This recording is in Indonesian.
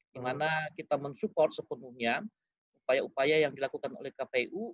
dimana kita mensupport sepenuhnya upaya upaya yang dilakukan oleh kpu